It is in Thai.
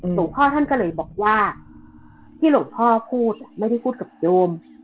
หลวงพ่อท่านก็เลยบอกว่าที่หลวงพ่อพูดไม่ได้พูดกับโยม